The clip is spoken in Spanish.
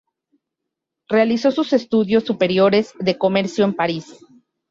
Realizó sus estudios superiores de comercio en París.